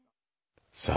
さあ